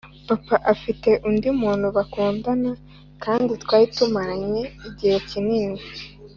Papa afite undi muntu bakundana kandi twari tumaranye igihe kinini